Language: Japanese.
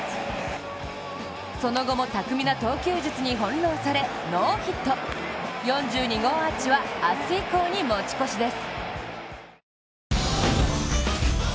その後も、巧みな投球術に翻弄されノーヒット、４２号アーチは明日以降に持ち越しです。